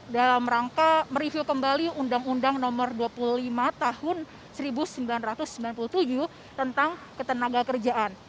dalam rangka mereview kembali undang undang nomor dua puluh lima tahun seribu sembilan ratus sembilan puluh tujuh tentang ketenaga kerjaan